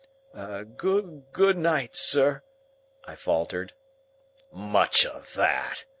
"Goo good night, sir," I faltered. "Much of that!"